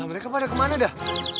mereka pada kemana dah